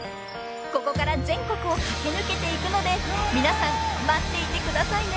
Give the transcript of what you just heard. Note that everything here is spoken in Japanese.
［ここから全国を駆け抜けていくので皆さん待っていてくださいね！］